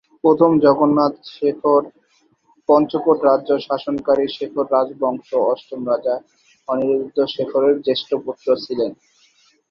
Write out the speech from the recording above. প্রথম জগন্নাথ শেখর পঞ্চকোট রাজ্য শাসনকারী শেখর রাজবংশের অষ্টম রাজা অনিরুদ্ধ শেখরের জ্যেষ্ঠ পুত্র ছিলেন।